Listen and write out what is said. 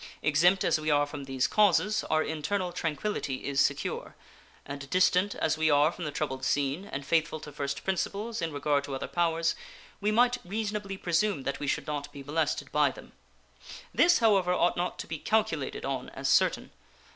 Exempt as we are from these causes, our internal tranquillity is secure; and distant as we are from the troubled scene, and faithful to first principles in regard to other powers, we might reasonably presume that we should not be molested by them. This, however, ought not to be calculated on as certain.